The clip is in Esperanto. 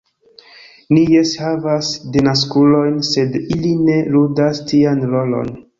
Ni jes havas denaskulojn, sed ili ne ludas tian rolon.